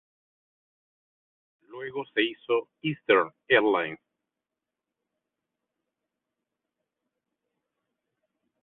Luego se hizo Eastern Airlines.